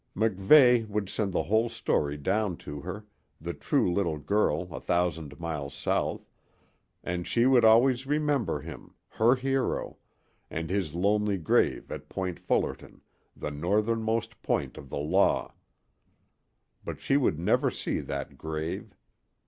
MacVeigh would send the whole story down to her, the true little girl a thousand miles south; and she would always remember him her hero and his lonely grave at Point Fullerton, the northernmost point of the Law. But she would never see that grave.